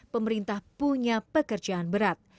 pemerintah punya pekerjaan berat